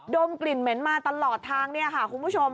ดมกลิ่นเหม็นมาตลอดทางเนี่ยค่ะคุณผู้ชม